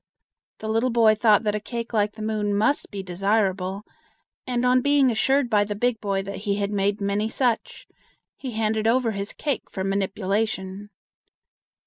The little boy thought that a cake like the moon must be desirable, and on being assured by the big boy that he had made many such, he handed over his cake for manipulation.